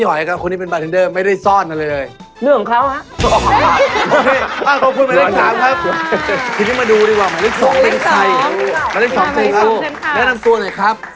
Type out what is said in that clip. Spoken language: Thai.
นายเล่นสองคือใครนายเล่นสองคือใครครับแนะนำตัวอะไรครับ